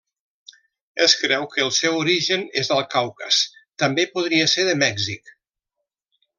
Es creu que el seu origen és al Caucas, també podria ser de Mèxic.